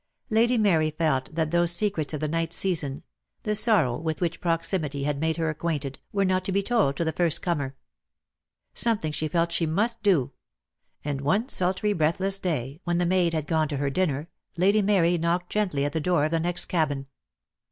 Lady Mary felt that those secrets of the night season, the sorrow with which proximity had made her acquainted, were not to be told ta the first comer. Something she felt she must do; and one sultry breathless day, when the maid had gone to her dinner. Lady Mary knocked gently at the door of the next cabin.